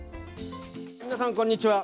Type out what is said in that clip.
皆さん、こんにちは。